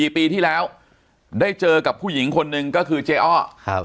ปีที่แล้วได้เจอกับผู้หญิงคนหนึ่งก็คือเจ๊อ้อครับ